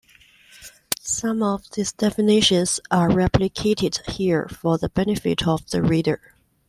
Some of these definitions are replicated here for the benefit of the reader.